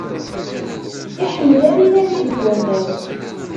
Iḥemmel ad inadi deg aman.